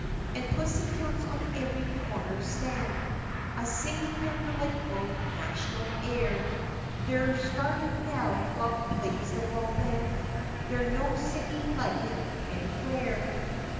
And pussycats on every corner stand A singing their delightful national air. They 're starting now while plays the royal band There is no singing like it anywhere